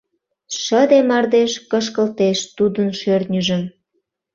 Шыде мардеж кышкылтеш тудын шӧртньыжым.